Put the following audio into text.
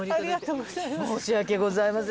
申し訳ございません。